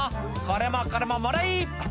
「これもこれももらい！」